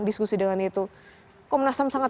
diskusi dengan itu komnas ham sangat